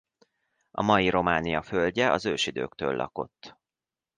A mai Románia földje az ősidőktől lakott.